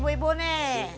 nah nih ibu ibu nih